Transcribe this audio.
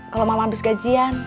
kalau mama habis gajian